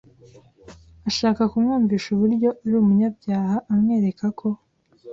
ashaka kumwumvisha uburyo ari umunyabyaha amwereka ko